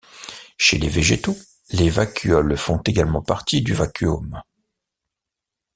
Chez les végétaux, les vacuoles font également partie du vacuome.